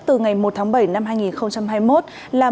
từ ngày một tháng bảy năm hai nghìn hai mươi một